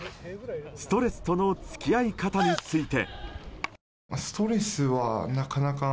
ストレスとの付き合い方について。